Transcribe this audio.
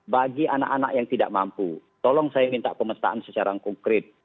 bagi anak anak yang tidak mampu tolong saya minta pemetaan secara konkret